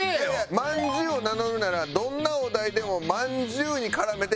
まんじゅうを名乗るならどんなお題でもまんじゅうに絡めて返せるはず。